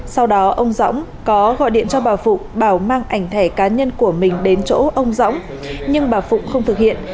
sau đó ông rõng có gọi điện cho bà phụ bảo mang ảnh thẻ cá nhân của mình đến chỗ ông rõng nhưng bà phụ không thực hiện